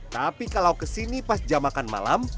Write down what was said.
tapi kalau ke sini pas jam makan malam